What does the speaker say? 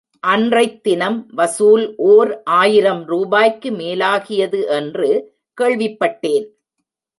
அன்றைத்தினம் வசூல் ஓர் ஆயிரம் ரூபாய்க்கு மேலாகியது என்று கேள்விப்பட்டேன்.